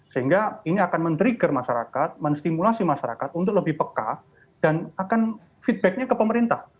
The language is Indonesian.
sehingga ini akan men trigger masyarakat menstimulasi masyarakat untuk lebih peka dan akan feedbacknya ke pemerintah